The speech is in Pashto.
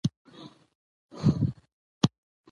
جرګمارو مخ کريم ته ورواړو .